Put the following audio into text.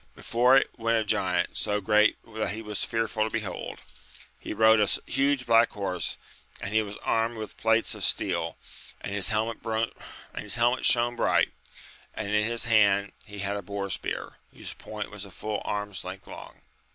Before it went a giant, so great that he was fearful to behold j he rode a huge black horse, and he was armed with plates of steel, and his helmet shone bright, and in his hand he had a boar spear, whose point was a full arm's length long.